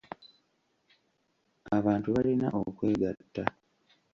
Abantu balina okwegatta.